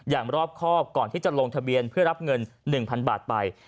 รอบครอบก่อนที่จะลงทะเบียนเพื่อรับเงิน๑๐๐๐บาทไป